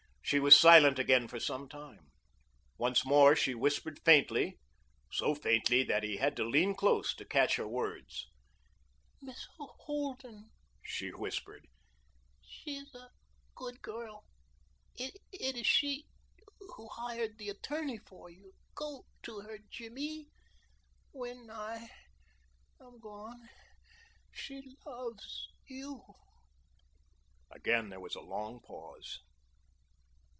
She was silent again for some time. Once more she whispered faintly, so faintly that he had to lean close to catch her words: "Miss Holden," she whispered, "she is a good girl. It is she who hired the attorney for you. Go to her Jimmy when I am gone she loves you." Again there was a long pause.